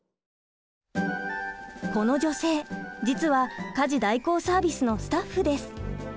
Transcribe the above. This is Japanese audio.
この女性実は家事代行サービスのスタッフです。